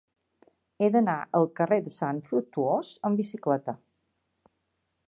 He d'anar al carrer de Sant Fructuós amb bicicleta.